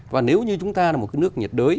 và nếu như chúng ta là một cái nước nhiệt đới